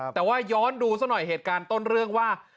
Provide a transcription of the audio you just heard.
แต่ว่าย้อนดูซะหน่อยเหตุการณ์ต้นเรื่องว่า